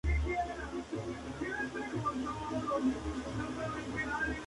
Cuenta con dos andenes, cada uno cubierto por una pequeña marquesina, y dos vías.